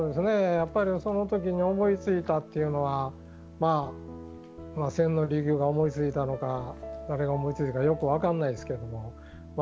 やっぱりその時に思いついたっていうのは千利休が思いついたのか誰が思いついたかよく分かんないですけども。